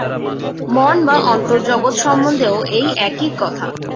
মন বা অন্তর্জগৎ সম্বন্ধেও এই একই কথা।